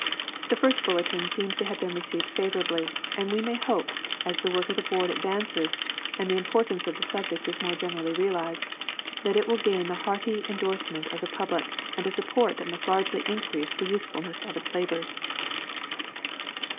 The first bulletin seems to have been received favorably, and we may hope, as the work of the board advances and the importance of the subject is more generally realized, that it will gain the hearty endorsement of the public and a support that must largely increase the usefulness of its labors.